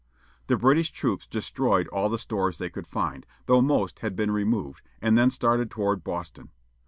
The British troops destroyed all the stores they could find, though most had been removed, and then started toward Boston.